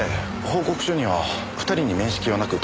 報告書には２人に面識はなく